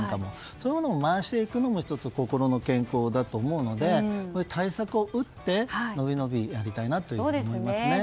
そういうのを回していくのも１つ心の健康だと思うので対策を打って伸び伸びやりたいと思いますね。